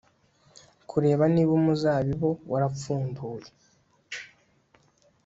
kureba niba umuzabibu warapfunduye